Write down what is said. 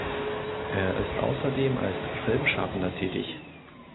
Er ist außerdem als Filmschaffender tätig.